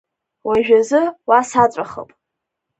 Уажәазы уа саҵәахып.